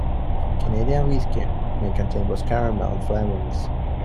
Canadian whisky may contain both caramel and flavorings.